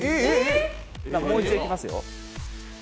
もう一度いきますよ。